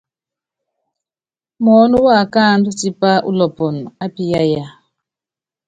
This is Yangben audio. Muɔ́nɔ wákáandú tipá ulɔpɔnɔ ápiyáyaaaa.